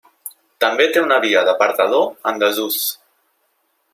També té una via d'apartador en desús.